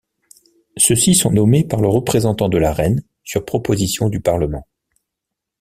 Ceux-ci sont nommés par le Représentant de la Reine sur proposition du Parlement.